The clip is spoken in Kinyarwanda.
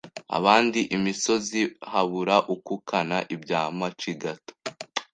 abandi imisozi, habura ukukana ibya Macigata;